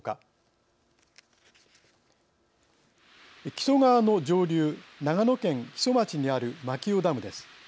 木曽川の上流長野県木曽町にある牧尾ダムです。